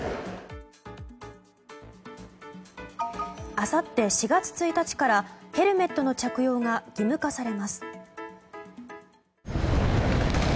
あさって４月１日からヘルメットの着用が義務化されます。